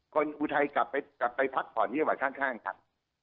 อุทัยกลับไปพักผ่อนที่จังหวัดข้างครับ